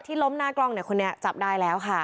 ล้มหน้ากล้องเนี่ยคนนี้จับได้แล้วค่ะ